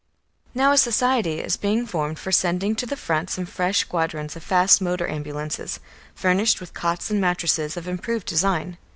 Now a society is being formed for sending to the Front some fresh squadrons of fast motor ambulances, furnished with cots and mattresses of improved design.